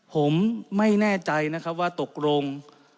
ผมไม่แน่ใจนะครับว่าตกลง